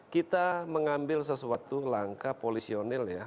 kita mengambil sesuatu langkah polisionil ya